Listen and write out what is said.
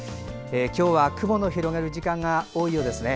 今日は雲の広がる時間が多いようですね。